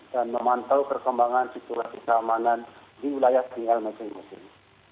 memantau perkembangan situasi keamanan di wilayah tinggal masing masing